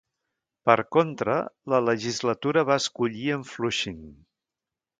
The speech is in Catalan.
Per contra, la legislatura va escollir en Flushing.